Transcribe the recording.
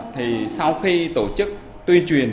thì sau khi tổ chức tuyên truyền